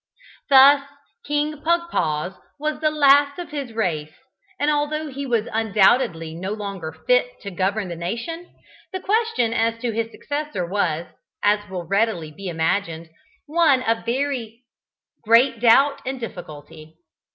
Thus King Pugpoz was the last of his race, and although he was undoubtedly no longer fit to govern the nation, the question as to his successor was, as will readily be imagined, one of very great doubt and difficulty.